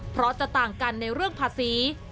เพราะจะต่างกันในเรื่องภาษี